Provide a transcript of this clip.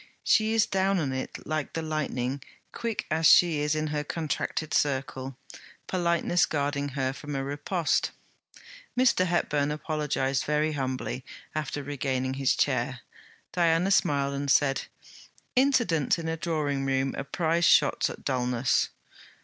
She is down on it like the lightning, quick as she is in her contracted circle, politeness guarding her from a riposte. Mr. Hepburn apologized very humbly, after regaining his chair. Diana smiled and said: 'Incidents in a drawing room are prize shots at Dulness.'